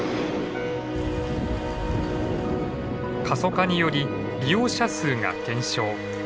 過疎化により利用者数が減少。